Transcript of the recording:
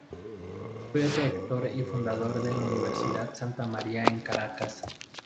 Fue Rector y fundador de la Universidad Santa María en Caracas.